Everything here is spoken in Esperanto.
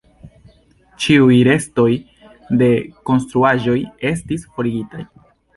Ĉiuj restoj de konstruaĵoj estis forigitaj.